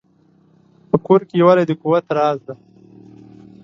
په کور کې یووالی د قوت راز دی.